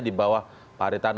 di bawah pak haritano